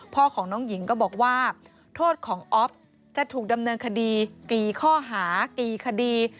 พ่อของน้องหญิงก็บอกว่าโทษของอ๊อฟจะถูกดำเนินคดีกี่ข้อหากี่คดี